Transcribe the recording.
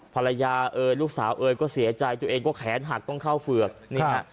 ภรรยาเอ่ยลูกสาวเอ๋ยก็เสียใจตัวเองก็แขนหักต้องเข้าเฝือกนี่ฮะ